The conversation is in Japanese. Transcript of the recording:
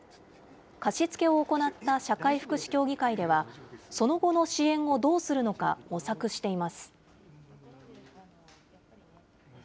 貸し付けを行った社会福祉協議会では、その後の支援をどうするのか、模索しています。